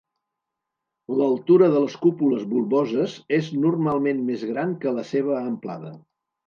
L'altura de les cúpules bulboses és normalment més gran que la seva amplada.